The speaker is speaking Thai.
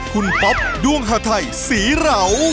คุณป๊อปด้วงหาไทยศรีเหลา